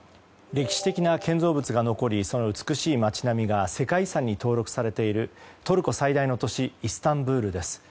歴史的な建造物が残りその美しい街並みが世界遺産に登録されているトルコ最大の都市イスタンブールです。